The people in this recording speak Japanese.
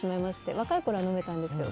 若いころは飲めたんですけど。